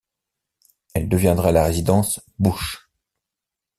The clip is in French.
Elle deviendra la résidence Bush.